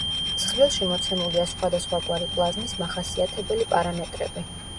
ცხრილში მოცემულია სხვადასხვაგვარი პლაზმის მახასიათებელი პარამეტრები.